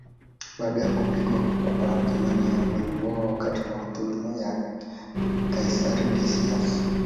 Baada ya kupigwa kwa imani yao, waliuawa wakati wa dhuluma ya kaisari Decius.